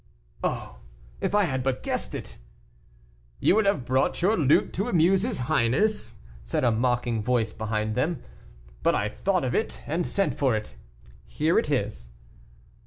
"Oh! if I had but guessed it." "You would have brought your lute to amuse his highness," said a mocking voice behind them, "but I thought of it, and sent for it; here it is."